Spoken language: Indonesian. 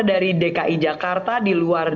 dari dki jakarta di luar